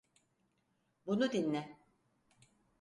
Bunu dinle.